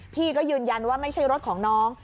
พี่ก็ยืนยันว่าไม่ใช่รถของน้อง